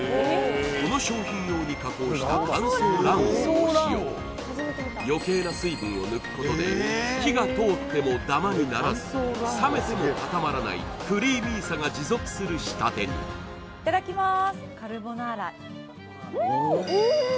この商品用に加工した乾燥卵黄を使用余計な水分を抜くことで火が通ってもダマにならず冷めても固まらないクリーミーさが持続する仕立てにいただきます